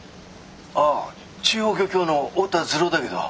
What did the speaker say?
ああ中央漁協の太田滋郎だけど。